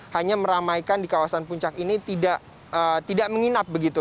hanya meramaikan di kawasan puncak ini tidak menginap begitu